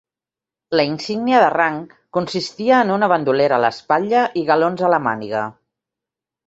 La insígnia de rang consistia en una bandolera a l'espatlla i galons a la màniga.